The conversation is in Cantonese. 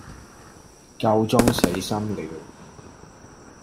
夠鐘死心了